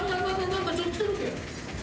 何かちょっと来てるって。